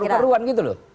apa yang salah